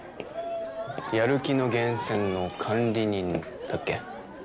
やる気の源泉の管理人だっけ？